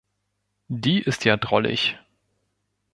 Die ist ja drollig.